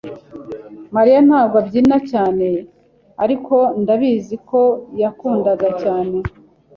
Mariya ntabwo abyina cyane, ariko ndabizi ko yakundaga cyane.